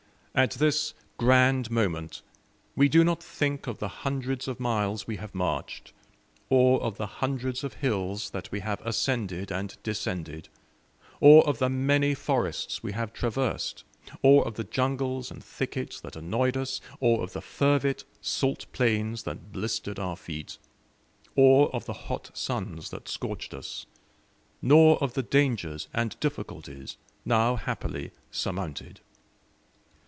At this grand moment we do not think of the hundreds of miles we have marched, or of the hundreds of hills that we have ascended and descended, or of the many forests we have traversed, or of the jungles and thickets that annoyed us, or of the fervid salt plains that blistered our feet, or of the hot suns that scorched us, nor of the dangers and difficulties, now happily surmounted!